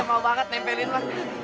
mau banget tempelin bang